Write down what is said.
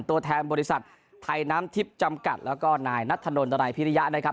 ตัวแทนบริษัทไทยน้ำทิพย์จำกัดแล้วก็นายนัทธนลัยพิริยะนะครับ